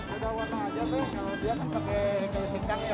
beda warna aja tapi kalau di jepang pakai kayu secah ya